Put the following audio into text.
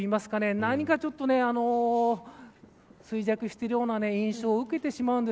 何かちょっと衰弱しているような印象を受けてしまうんです。